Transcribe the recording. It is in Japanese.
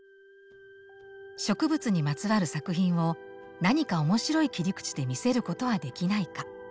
植物にまつわる作品を何か面白い切り口で見せることはできないか。